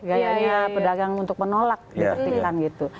gayanya pedagang untuk menolak dipertikan gitu